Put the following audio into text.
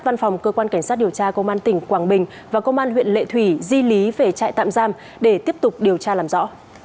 văn phòng cơ quan cảnh sát điều tra công an tỉnh quảng bình và công an huyện lệ thủy di lý về trại tạm giam để tiếp tục điều tra làm rõ